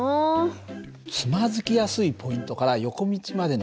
つまずきやすいポイントから横道までの距離は５ｍだよ。